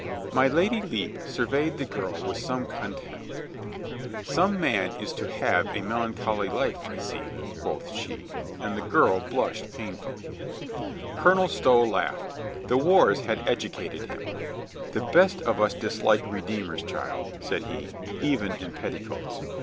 My Lady Lepe surveyed the girl with some con tempt. "Some man is to have a melancholy life, I see," quoth she, and the girl blushed painfully. Colonel Stow laughed. The wars had educated 32 COLONEL GREATHEART him. "The best of us dislike redeemers, child," said he, "even in petticoats.